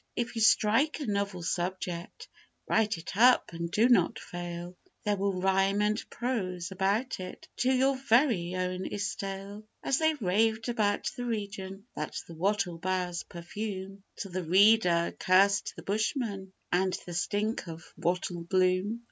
If you strike a novel subject, write it up, and do not fail, They will rhyme and prose about it till your very own is stale, As they raved about the region that the wattle boughs perfume Till the reader cursed the bushman and the stink of wattle bloom.